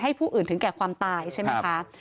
ผู้อื่นถึงแก่ความตายใช่ไหมคะ